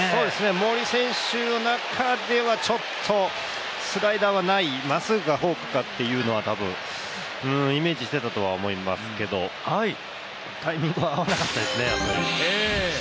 森選手の中ではちょっとスライダーはない、まっすぐかフォークかっていうのは多分、イメージしていたと思いますけど、タイミング合わなかったですね。